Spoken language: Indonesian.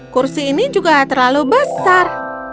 kursi ini juga terlalu besar